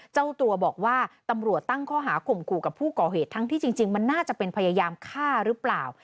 เจ้าตัวบอกว่าตำรวจตั้งข้อหาข่มขู่กับผู้ก่อเหตุทั้งที่จริงมันน่าจะเป็นพยายามฆ่าหรือเปล่า